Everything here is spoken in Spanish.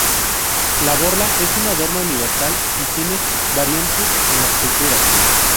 La borla es un adorno universal y tiene variantes en las culturas.